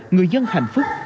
người dân hạnh phúc